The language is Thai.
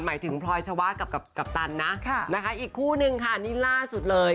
หมายถึงพลอยชวะกับกัปตันนะนะคะอีกคู่นึงค่ะนี่ล่าสุดเลย